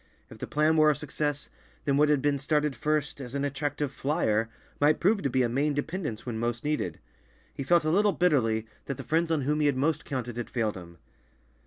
If the plan were a success, then what had been started first as an attractive "flyer" might prove to be a main dependence when most needed. He felt a little bitterly that the friends on whom he had most counted had failed him.